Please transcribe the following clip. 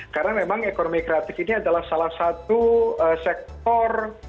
karena memang ekonomi kreatif ini adalah salah satu sektor